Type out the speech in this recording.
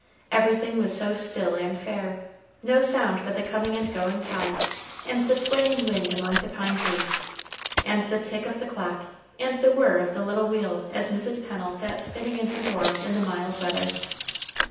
Everything was so still and fair no sound but the coming and going tide, and the swaying wind among the pine trees, and the tick of the clock, and the whirr of the little wheel as Mrs. Pennel sat spinning in her door in the mild weather.